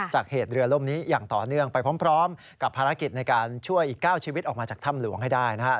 จากเหตุเรือล่มนี้อย่างต่อเนื่องไปพร้อมกับภารกิจในการช่วยอีก๙ชีวิตออกมาจากถ้ำหลวงให้ได้นะครับ